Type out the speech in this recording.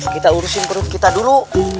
kita urusin perut kita dulu